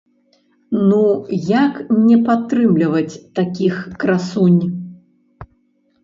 Ну як не падтрымліваць такіх красунь?!